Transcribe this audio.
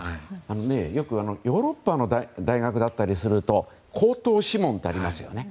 よくヨーロッパの大学だったりすると口頭試問というのがありますよね。